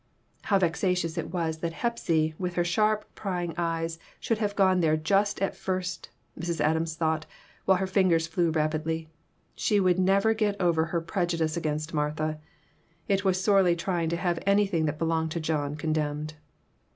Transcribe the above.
How vexatious it was that Hepsy, with her sharp, prying eyes, should have gone there just at first, Mrs. Adams thought, while her fingers flew rapidly. She would never get over her prejudice against Martha. It was sorely try ing to have anything that belonged to John condemned.